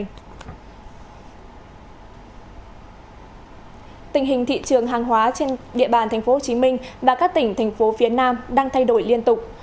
nghị trường hàng hóa trên địa bàn tp hcm và các tỉnh thành phố phía nam đang thay đổi liên tục